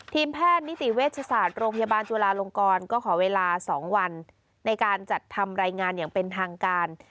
ทีมแพทย์นิติเวชศาสตร์โรงพยาบาลจุลาลงกรก็ขอเวลา๒วันในการจัดทำรายงานอย่างเป็นทางการ